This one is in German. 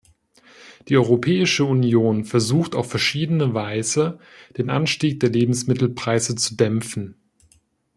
Die Europäische Union versucht auf verschiedene Weise, den Anstieg der Lebensmittelpreise zu dämpfen.